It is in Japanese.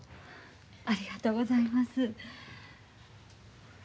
ありがとうございます。